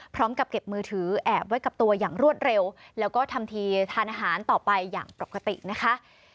พร้อมกับเก็บมือถือแอบไว้กับตัวอย่างรวดเร็วแล้วก็ทำทีทานอาหารต่อไปอย่างปกตินะคะ